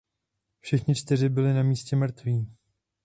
Všichni čtyři byli na místě mrtví.